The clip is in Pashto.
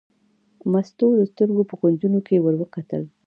مستو د سترګو په کونجونو کې ور وکتل.